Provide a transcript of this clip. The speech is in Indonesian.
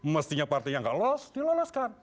mestinya partai yang nggak lolos diloloskan